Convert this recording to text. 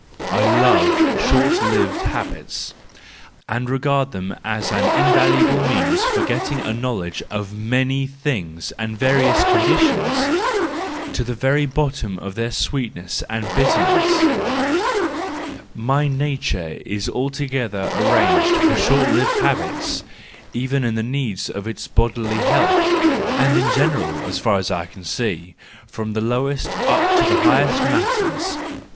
—I love short lived habits, and regard them as an invaluable means for getting a knowledge of many things and various conditions, to the very bottom of their sweetness and bitterness ; my nature is altogether arranged for short lived habits, even in the needs of its bodily health, and in general, as far as I can see, from the lowest up to the highest matters.